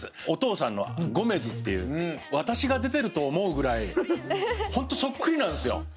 お父さんのゴメズっていう私が出てると思うぐらいホントそっくりなんですよ。